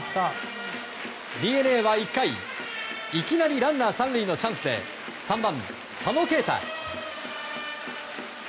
ＤｅＮＡは１回、いきなりランナー３塁のチャンスで３番、佐野恵太。